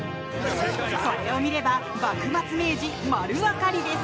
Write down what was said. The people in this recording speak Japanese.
これを見れば幕末明治、丸分かりです。